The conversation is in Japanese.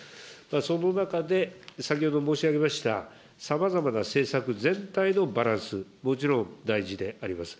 その中で、先ほど申し上げました、さまざまな政策全体のバランス、もちろん大事であります。